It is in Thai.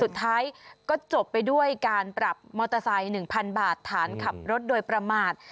สุดท้ายก็จบไปด้วยการปรับมอเตอร์ไซค์๑๐๐๐บาทฐานขับรถโดยประมาท